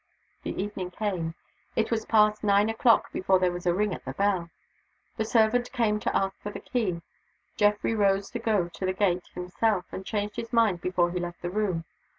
The evening came. It was past nine o'clock before there was a ring at the bell. The servant came to ask for the key. Geoffrey rose to go to the gate himself and changed his mind before he left the room.